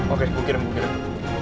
oke gua kirim gua kirim